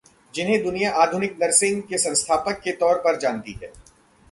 जिन्हें दुनिया आधुनिक नर्सिंग के संस्थापक के तौर पर जानती है...